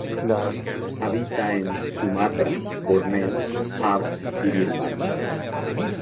Habita en Sumatra, Borneo, Java y Birmania.